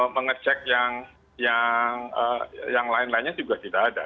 mengecek yang lain lainnya juga tidak ada